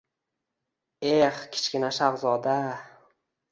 Eh, Kichkina shahzoda!